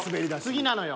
次なのよ。